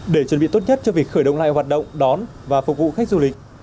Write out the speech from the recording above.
để chuẩn bị tốt nhất cho việc khởi động lại hoạt động đón và phục vụ khách du lịch